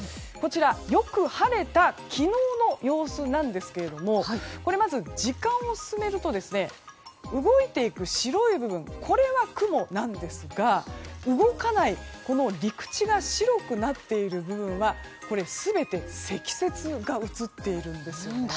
こちら、よく晴れた昨日の様子なんですけれどもまず時間を進めると動いていく白い部分これが雲なんですが動かない陸地が白くなっている部分は全て積雪が映っているんですね。